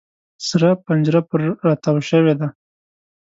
سره پنجره پر را تاو شوې ده.